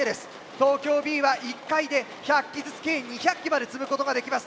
東京Ｂは１回で１００機ずつ計２００機まで積むことができます。